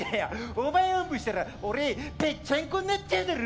お前オンブしたら俺ぺっちゃんこになっちゃうだろう。